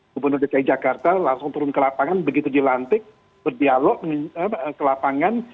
gubernur dki jakarta langsung turun ke lapangan begitu dilantik berdialog ke lapangan